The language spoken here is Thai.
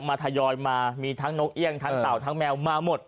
ทยอยมามีทั้งนกเอี่ยงทั้งเต่าทั้งแมวมาหมด